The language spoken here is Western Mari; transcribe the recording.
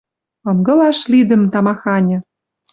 Ынгылаш лидӹм тамаханьы...»